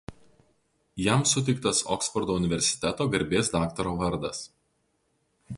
Jam suteiktas Oksfordo universiteto garbės daktaro vardas.